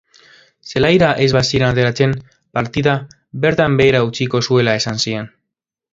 Zelaira ez baziren ateratzen, partida bertan behera utziko zuela esan zien.